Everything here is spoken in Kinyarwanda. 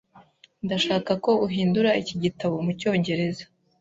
Ndashaka ko uhindura iki gitabo mucyongereza.